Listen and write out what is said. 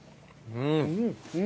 うん！